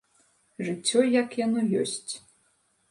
Жыццё як яно ёсць.